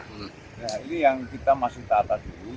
nah ini yang kita masih tata dulu